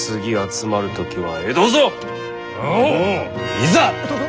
いざ！